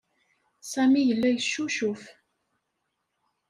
Sami yella yeccucuf.